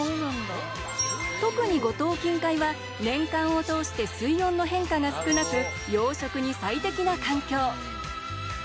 特に五島近海は年間を通して水温の変化が少なく養殖に最適な環境。